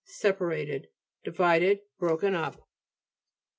Separated, divided, broken up.